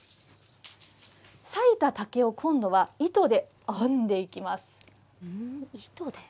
割いた竹を今度は糸で編んでいき糸で？